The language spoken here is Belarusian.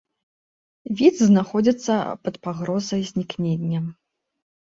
Від знаходзіцца пад пагрозай знікнення.